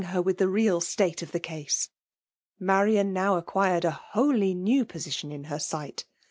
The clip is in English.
her with the real state of ti^e ea^e. Marian ^ now' acquired a wholly new position in her sight.